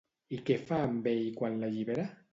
I què fa amb ell quan l'allibera?